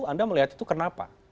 anda melihat itu kenapa